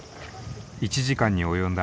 １時間に及んだ